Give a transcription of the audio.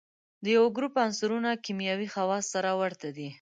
د یوه ګروپ عنصرونه کیمیاوي خواص سره ورته دي.